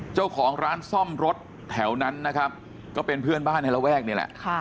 เจ้าของร้านซ่อมรถแถวนั้นนะครับก็เป็นเพื่อนบ้านในระแวกนี่แหละ